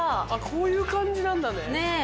こういう感じなんだね。ねぇ。